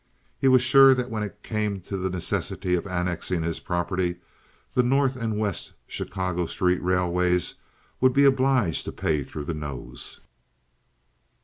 He was sure that when it came to the necessity of annexing his property the North and West Chicago Street Railways would be obliged to pay through the nose.